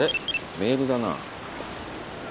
メールだな。